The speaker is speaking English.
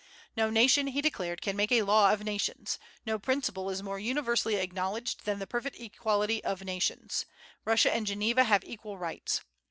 "No nation," he declared, "can make a law of nations. No principle is more universally acknowledged than the perfect equality of nations. Russia and Geneva have equal rights."